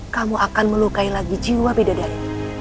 kamu akan melukai lagi jiwa bidadari